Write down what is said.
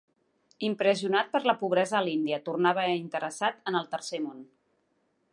Impressionat per la pobresa a l'Índia, tornava interessat en el Tercer món.